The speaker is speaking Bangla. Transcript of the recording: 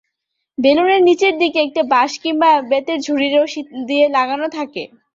বেলুনের নিচের দিকে একটা বাঁশ কিংবা বেতের ঝুড়ি রশি দিয়ে লাগানো থাকে।